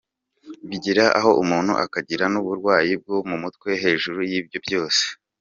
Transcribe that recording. Bigera aho umuntu akagira n’uburwayi bwo mu mutwe hejuru y’ibyo byose.